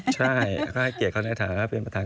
ใช่แล้วก็ให้เกียรติเขาในฐานะเป็นประธาน